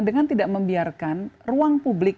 dengan tidak membiarkan ruang publik